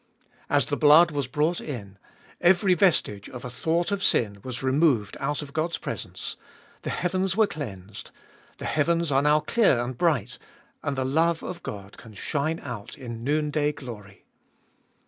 As the blood was brought in, every vestige of a thought of sin was removed out of God's presence ; the heavens were cleansed; the heavens are now clear and bright, and the love of God can shine out in noonday glory.